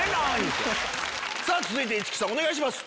続いて市來さんお願いします。